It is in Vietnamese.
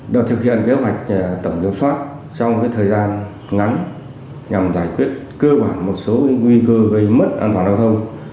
đã thực hiện kế hoạch tổng kiểm soát trong thời gian ngắn nhằm giải quyết cơ bản một số nguy cơ gây mất an toàn giao thông